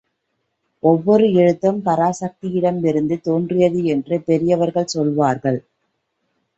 ஒவ்வொரு எழுத்தும் பராசக்தியிடமிருந்து தோன்றியது என்று பெரியவர்கள் சொல்வார்கள்.